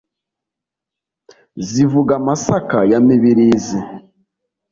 zivuga masaka ya mibirizi